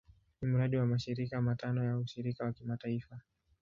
Ni mradi wa mashirika matano ya ushirikiano wa kimataifa.